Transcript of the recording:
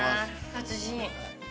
達人。